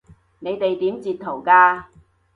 你哋點截圖㗎？